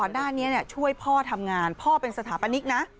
ด้านนี้ช่วยพ่อทำงานพ่อเป็นสถาปนิกนะ